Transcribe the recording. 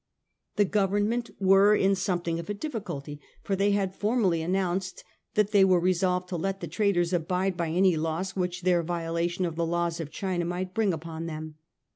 The Govern ment were in something of a difficulty; for they had formally announced that they were resolved to let the traders abide by any loss which their violation of the laws of China might bring upon them.